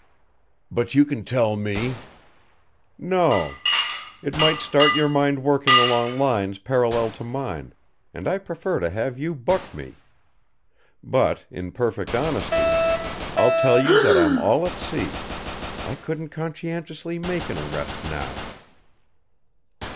"But you can tell me " "No o. It might start your mind working along lines parallel to mine and I prefer to have you buck me. But, in perfect honesty, I'll tell you that I'm all at sea. I couldn't conscientiously make an arrest now."